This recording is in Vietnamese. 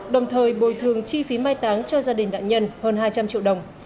đồng thời bồi thường chi phí mai táng cho gia đình nạn nhân hơn hai trăm linh triệu đồng